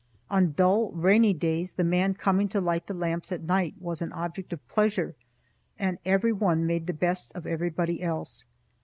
On dull, rainy days, the man coming to light the lamps at night was an object of pleasure, and every one made the best of everybody else.